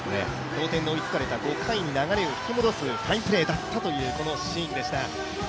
同点に追いつかれた５回に、流れを引き戻すファインプレーだったというこのプレーでしたが。